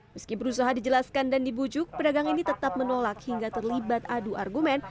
meski berusaha dijelaskan dan dibujuk pedagang ini tetap menolak hingga terlibat adu argumen